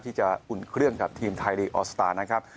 ที่จะอุ่นเครื่องกับทีมไทยลีกออสตาร์นะครับ